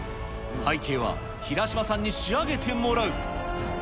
背景はヒラシマさんに仕上げてもらう。